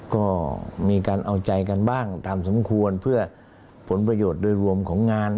ก็มีการเอาใจกันบ้างตามสมควรเพื่อผลประโยชน์โดยรวมของงาน